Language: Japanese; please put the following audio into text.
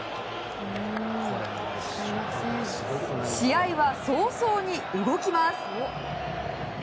試合は早々に動きます。